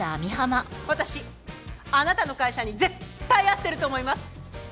私あなたの会社に絶対合ってると思います！